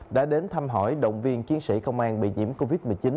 đã đến thăm hỏi động viên chiến sĩ công an bị nhiễm covid một mươi chín